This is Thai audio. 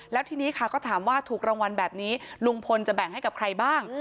แล้วทีนี้ค่ะก็ถามว่าถูกรางวัลแบบนี้ลุงพลจะแบ่งให้กับใครบ้าง